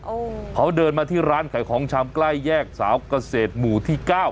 โอ้พอเดินมาที่ร้านไขของชามใกล้แยกสาวกเศษหมู่ที่๙